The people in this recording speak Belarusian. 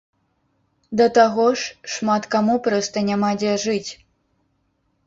Да таго ж, шмат каму проста няма дзе жыць.